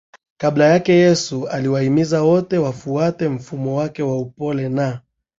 Kabla yake Yesu alihimiza wote wafuate mfano wake wa upole na